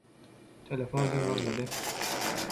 Telefon jyňňyrdady.